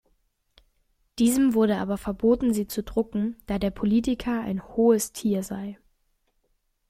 Diesem wurde aber verboten sie zu drucken, da der Politiker ein hohes Tier sei.